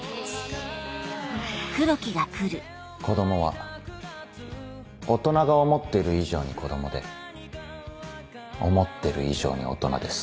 子供は大人が思っている以上に子供で思ってる以上に大人です。